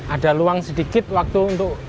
ada luang sedikit waktu untuk